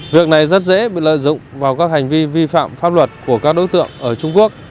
việc này rất dễ bị lợi dụng vào các hành vi vi phạm pháp luật của các đối tượng ở trung quốc